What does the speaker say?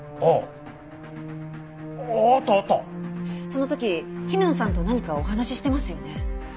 その時姫野さんと何かお話ししてますよね？